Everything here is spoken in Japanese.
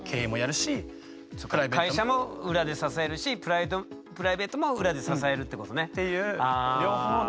会社も裏で支えるしプライベートも裏で支えるってことね？っていう両方の。